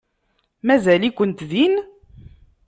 Mazal-ikent din?